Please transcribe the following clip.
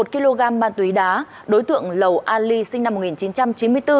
một kg ma túy đá đối tượng lầu ali sinh năm một nghìn chín trăm chín mươi bốn